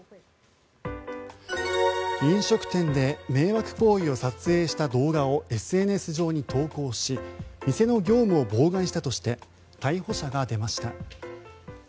飲食店で迷惑行為を撮影した動画をＳＮＳ上に投稿し店の業務を妨害したとして逮捕者が出ました。